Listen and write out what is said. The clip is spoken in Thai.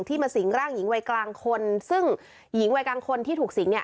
มาสิงร่างหญิงวัยกลางคนซึ่งหญิงวัยกลางคนที่ถูกสิงเนี่ย